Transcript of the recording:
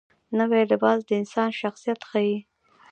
نوی لباس د انسان شخصیت ښیي